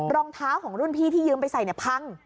รองเท้าของรุ่นพี่ที่ยืมไปใส่เนี่ยพัง